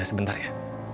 ya sebentar ya